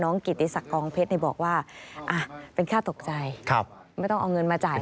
กิติศักดิกองเพชรบอกว่าเป็นค่าตกใจไม่ต้องเอาเงินมาจ่าย